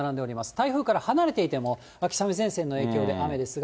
台風から離れていても、秋雨前線の影響で雨ですが。